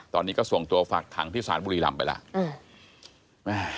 ตอนนี้ก็ส่งตัวฝากขังที่ศาลบุรีรำไปแล้ว